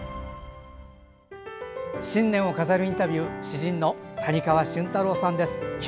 新年を飾るインタビュー詩人の谷川俊太郎さんです。